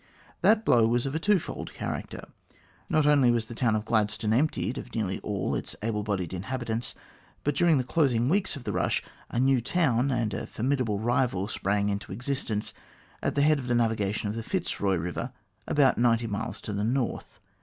That blow was of a two fold character. Not only was the town of Gladstone emptied of nearly all its able bodied inhabitants, but during the closing weeks of the rush, a new town and a formidable rival sprang into existence, at the head of the navigation of the Fitzroy River, about ninety miles to the north.